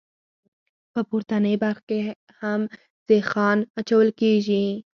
په پورتنۍ برخه کې هم سیخان اچول کیږي